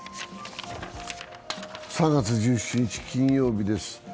３月１７日金曜日です。